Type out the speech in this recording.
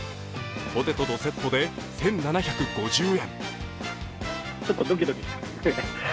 ポテトとセットで１７５０円。